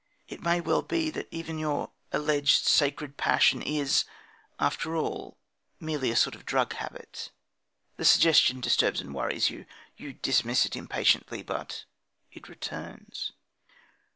It may well be that even your alleged sacred passion is, after all, simply a sort of drug habit. The suggestion disturbs and worries you. You dismiss it impatiently; but it returns.